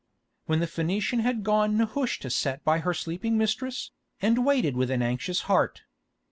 When the Phœnician had gone Nehushta sat by her sleeping mistress, and waited with an anxious heart.